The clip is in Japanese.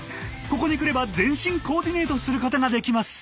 ここに来れば全身コーディネートすることができます。